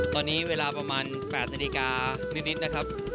ตอนนี้เวลาประมาณ๘นาฬิกานิดนะครับ